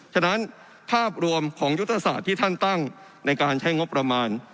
ฉะนั้นภาพรวมของยุทธศาสตร์ที่ท่านตั้งในการใช้งบประมาณ